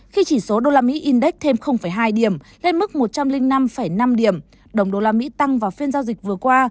khi chỉ số đô la mỹ index thêm hai điểm lên mức một trăm linh năm năm điểm đồng đô la mỹ tăng vào phiên giao dịch vừa qua